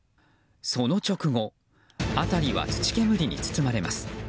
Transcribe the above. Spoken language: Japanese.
その直後辺りは土煙に包まれます。